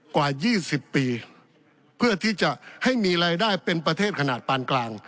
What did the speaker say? กว่า๒๐ปีเพื่อที่จะให้มีรายได้เป็นประเทศขนาดปานกลาง